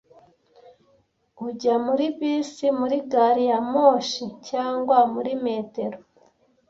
Ujya muri bisi, muri gari ya moshi, cyangwa muri metero?